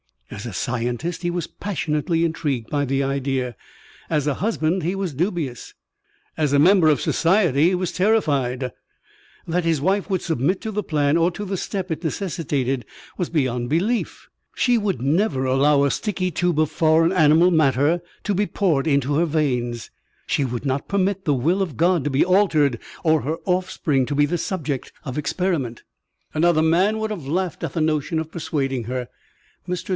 As a scientist he was passionately intrigued by the idea. As a husband he was dubious. As a member of society he was terrified. That his wife would submit to the plan or to the step it necessitated was beyond belief. She would never allow a sticky tube of foreign animal matter to be poured into her veins. She would not permit the will of God to be altered or her offspring to be the subject of experiment. Another man would have laughed at the notion of persuading her. Mr.